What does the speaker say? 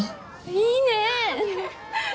いいね！